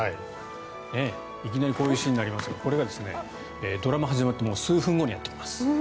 いきなりこういうシーンになりますがこれがドラマ始まって数分後にやってきます。